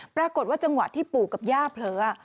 ปรากฏว่าจังหวะที่ปู่กับย่าเผลอ